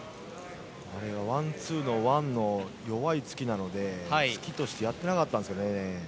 ワンツーのワンの弱い突きなので突きとしてやっていなかったんですね。